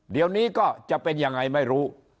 เดี๋ยวนี้ก็จะเป็นยังไงไม่รู้